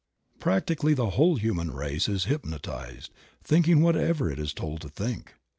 Practically the whole human race is hypnotized, thinking whatever it is told to think.